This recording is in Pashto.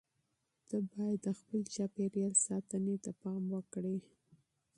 ته باید د خپل چاپیریال ساتنې ته پام وکړې.